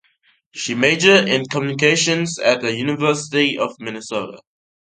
She majored in communications at the University of Minnesota.